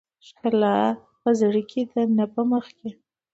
ښکلا په زړه کې ده نه په مخ کې .